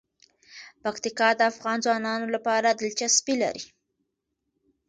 پکتیکا د افغان ځوانانو لپاره دلچسپي لري.